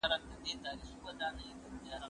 زه ږغ نه اورم،